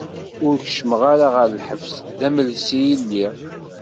Ur keččmeɣ ara ɣer lḥebs, d amelsi i lliɣ.